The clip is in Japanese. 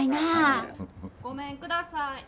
・ごめんください。